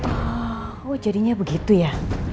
oh jadinya begitu ya